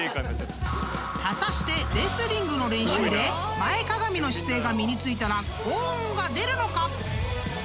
［果たしてレスリングの練習で前かがみの姿勢が身に付いたら高音が出るのか？］